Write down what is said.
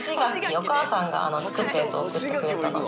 お母さんが作ったやつを送ってくれたので」